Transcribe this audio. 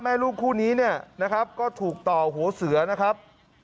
แม่ลูกคู่นี้ก็ถูกต่อหัวเสือนะครับ